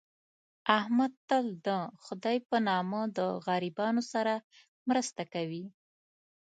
احمد تل دخدی په نامه د غریبانو سره مرسته کوي.